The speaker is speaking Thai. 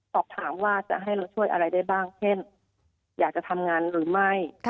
สอบถามว่าจะให้เราช่วยอะไรได้บ้างเช่นอยากจะทำงานหรือไม่